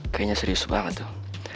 kayaknya serius banget tuh